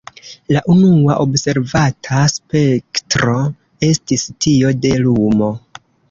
La unua observata spektro estis tio de lumo.